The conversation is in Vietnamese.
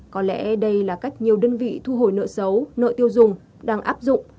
có lẽ đây là cách nhiều đơn vị thu hồi nợ xấu nợ tiêu dùng đang áp dụng